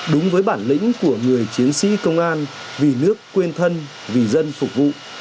đúng với bản lĩnh của người chiến sĩ công an vì nước quên thân vì dân phục vụ